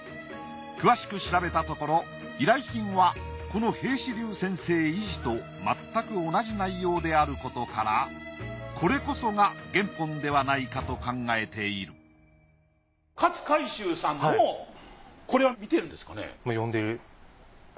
詳しく調べたところ依頼品はこの『平子龍先生遺事』とまったく同じ内容であることからこれこそが原本ではないかと考えている勝海舟さんもこれは見てるんですかね。